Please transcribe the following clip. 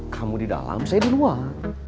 kamu di dalam saya di luar